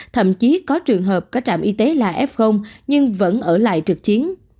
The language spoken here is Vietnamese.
thậm chí có trường hợp có trạm y tế là f nhưng vẫn ở lại trực chiến